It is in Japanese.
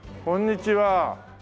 こんにちは。